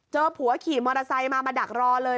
ผัวขี่มอเตอร์ไซค์มามาดักรอเลย